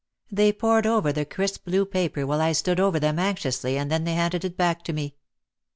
They pored over the crisp blue paper while I stood over them anxiously and then they handed it back to me.